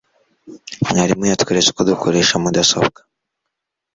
Umwarimu yatweretse uko dukoresha mudasobwa.